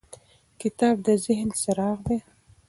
کتاب د ذهن څراغ دی.